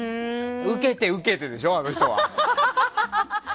受けて受けるでしょ、あの人は。